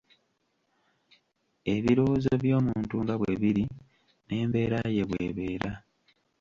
Ebirowoozo by'omuntu nga bwe biri n'embeera ye bw'ebeera.